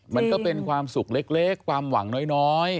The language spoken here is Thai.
มันก็เป็นความสุขเล็กความหวังน้อย